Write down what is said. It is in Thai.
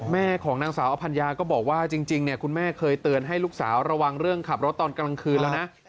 แม่ของนางสาวอภัญญาก็บอกว่าจริงคุณแม่เคยเตือนให้ลูกสาวระวังเรื่องขับรถตอนกลางคืนแล้วนะ